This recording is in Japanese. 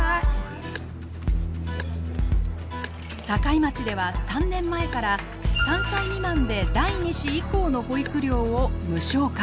境町では３年前から３歳未満で第２子以降の保育料を無償化。